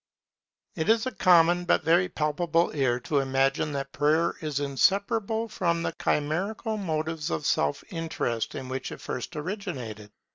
It is a common but very palpable error to imagine that Prayer is inseparable from the chimerical motives of self interest in which it first originated.